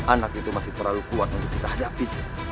anak itu masih terlalu kuat untuk kita hadapi